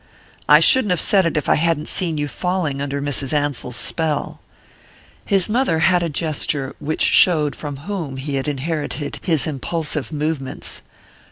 "I shouldn't have said it if I hadn't seen you falling under Mrs. Ansell's spell." His mother had a gesture which showed from whom he had inherited his impulsive movements.